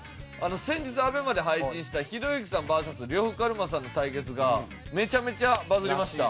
先日ＡＢＥＭＡで配信したひろゆきさんＶＳ呂布カルマさんの対決がめちゃめちゃバズリました。